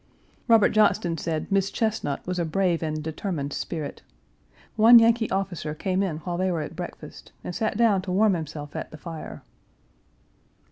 Robert Johnston said Miss Chesnut was a brave and determined spirit. One Yankee officer came in while they were at breakfast and sat down to warm himself at the fire.